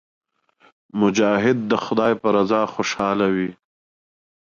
مجاهد د خدای په رضا خوشاله وي.